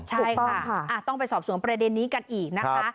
ใช่ค่ะต้องไปสอบสวนประเด็นนี้กันอีกนะคะ